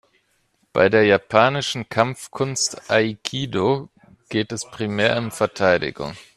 Bei der japanischen Kampfkunst Aikido geht es primär um Verteidigung.